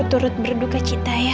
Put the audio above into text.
aku turut berduka cinta ya